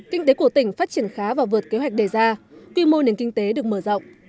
kinh tế của tỉnh phát triển khá và vượt kế hoạch đề ra quy mô nền kinh tế được mở rộng